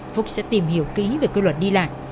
phúc sẽ tìm hiểu kỹ về quy luật đi lại